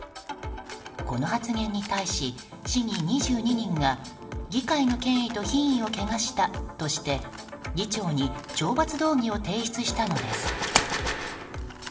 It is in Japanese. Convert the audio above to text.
この発言に対し市議２２人が議会の権威と品位を汚したとして議長に懲罰動議を提出したのです。